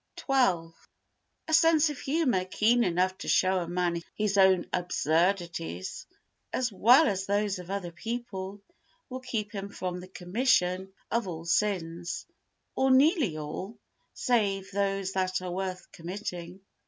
xii A sense of humour keen enough to show a man his own absurdities, as well as those of other people, will keep him from the commission of all sins, or nearly all, save those that are worth committing.